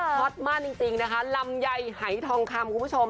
ฮอตมากจริงนะคะลำไยหายทองคำคุณผู้ชม